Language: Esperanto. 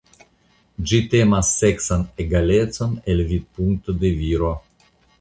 Ĝi temas seksan egalecon el vidpunkto de viro.